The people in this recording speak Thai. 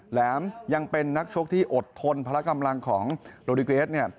แหลมยังเป็นนักชกที่อดทนภรรคำลังของโรดิกุเอส